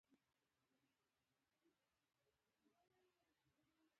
موټر په یوه چړهایي وخوت.